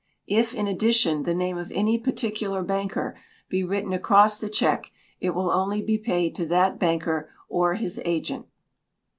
If, in addition, the name of any particular banker be written across the cheque, it will only be paid to that banker or his agent.